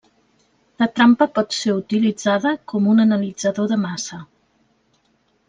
La trampa pot ser utilitzada com un analitzador de massa.